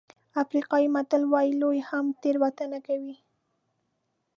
افریقایي متل وایي لوی هم تېروتنه کوي.